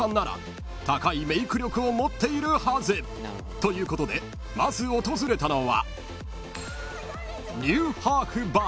ということでまず訪れたのは］